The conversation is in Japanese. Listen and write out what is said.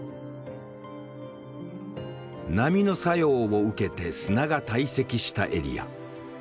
波の作用を受けて砂が堆積したエリア。